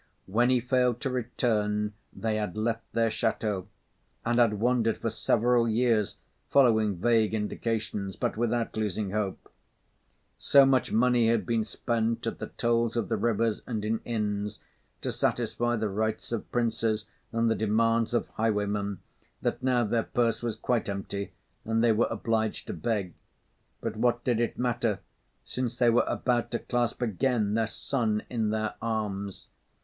When he failed to return, they had left their ch├óteau; and had wandered for several years, following vague indications but without losing hope. So much money had been spent at the tolls of the rivers and in inns, to satisfy the rights of princes and the demands of highwaymen, that now their purse was quite empty and they were obliged to beg. But what did it matter, since they were about to clasp again their son in their arms?